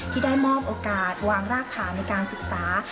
ที่ได้มอบโอกาสวางรากฐานในการศึกษา